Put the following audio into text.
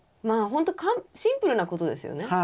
まあほんとシンプルなことですよね。